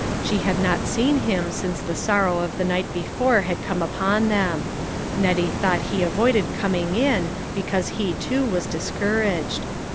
She had not seen him since the sorrow of the night before had come upon them ; Net tie thought he avoided coming in, because he too was discouraged.